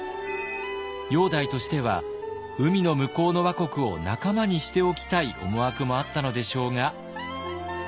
煬帝としては海の向こうの倭国を仲間にしておきたい思惑もあったのでしょうが。